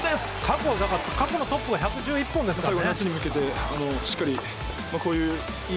過去のトップが１１１本ですからね。